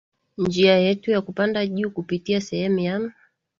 njia yetu ya kupanda juu kupitia sehemu ya